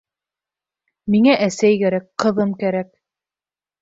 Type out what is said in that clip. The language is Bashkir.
Миңә әсәй кәрәк, ҡыҙым кәрәк.